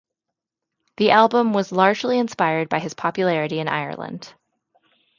The album was largely inspired by his popularity in Ireland.